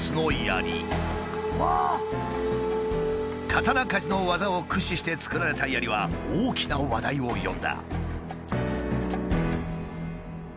刀鍛冶の技を駆使して作られた槍は大きな話題を呼んだ。